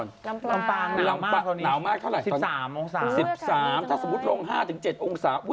ลำปางนาวมากตอนนี้สิบสามองศาสตร์สิบสามถ้าสมมติลง๕ถึง๗องศาสตร์